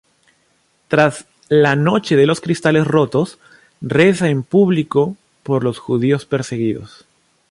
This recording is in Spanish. Tras la "Noche de los cristales rotos" reza en público por los judíos perseguidos.